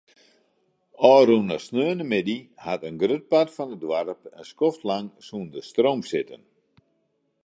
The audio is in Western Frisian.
Ofrûne sneontemiddei hat in grut part fan it doarp in skoftlang sûnder stroom sitten.